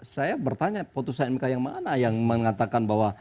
saya bertanya putusan mk yang mana yang mengatakan bahwa